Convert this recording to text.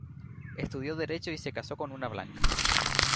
Estudió derecho y se casó con una blanca.